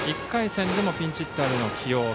１回戦でもピンチヒッターでの起用。